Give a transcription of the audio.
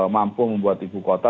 mampu membuat ibu kota